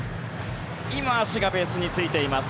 今、足がベースについています。